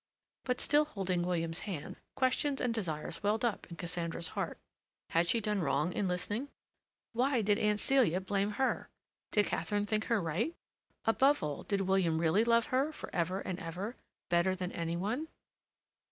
But, still holding William's hand, questions and desires welled up in Cassandra's heart. Had she done wrong in listening? Why did Aunt Celia blame her? Did Katharine think her right? Above all, did William really love her, for ever and ever, better than any one?